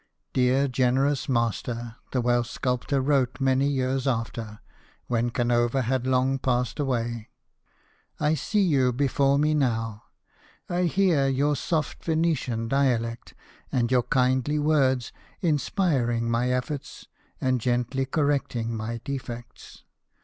" Dear generous master," the Welsh sculptor wrote many years after, when Canova had long passed away, " I see you before me JOHN GIBSON, SCULPTOR. 73 now. I hear your soft Venetian dialect, and your kindly words inspiring my efforts and gently correcting my defects.